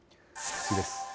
次です。